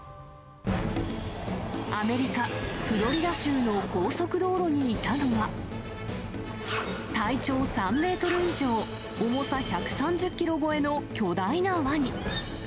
アメリカ・フロリダ州の高速道路にいたのは、体長３メートル以上、重さ１３０キロ超えの巨大なワニ。